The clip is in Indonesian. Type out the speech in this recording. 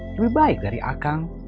lebih baik dari akang